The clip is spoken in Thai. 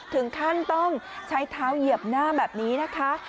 ถึงขั้นต้องใช้เท้าเหยียบหน้าแบบนี้นะคะ